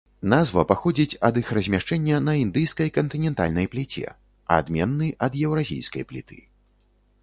Назва паходзіць ад іх размяшчэння на індыйскай кантынентальнай пліце, адменны ад еўразійскай пліты.